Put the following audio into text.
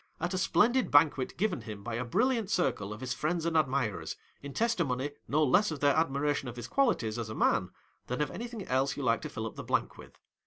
at a splendid banquet given him by a brilliant circle of his friends and admirers, in testimony, no less of their admi ration of his qualities as a man, than of any thing else you like to till up the blank with.